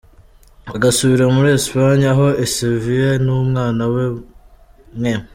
agasubira muri, Espagne aho i Sevilla numwana we mwe.